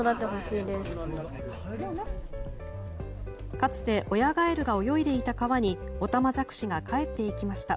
かつて親ガエルが泳いでいた川にオタマジャクシが帰っていきました。